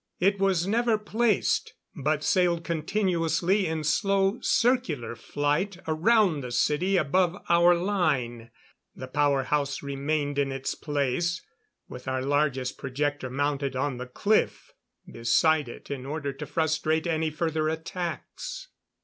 It was never placed, but sailed continuously in slow circular flight around the city above our line. The power house remained in its place, with our largest projector mounted on the cliff beside it in order to frustrate any further attacks.